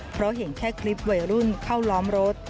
เพราะเห็นแค่คลิปวัยรุ่นเข้าล้อมรถ